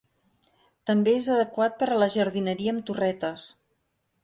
També és adequat per a la jardineria amb torretes.